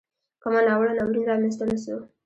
کومه ناوړه ناورین را مینځته نه سو.